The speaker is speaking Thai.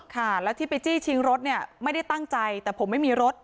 ค่ะแล้วที่ไปจี้ชิงรถเนี่ยไม่ได้ตั้งใจแต่ผมไม่มีรถ